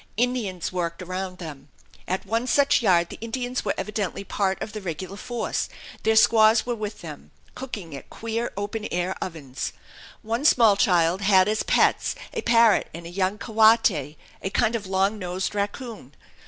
Indians worked around them. At one such yard the Indians were evidently part of the regular force. Their squaws were with them, cooking at queer open air ovens. One small child had as pets a parrot and a young coati a kind of long nosed raccoon.